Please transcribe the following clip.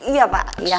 iya pak ya